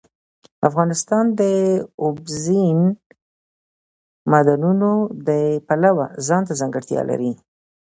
افغانستان د اوبزین معدنونه د پلوه ځانته ځانګړتیا لري.